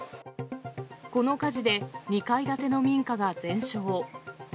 この火事で、２階建ての民家が全焼。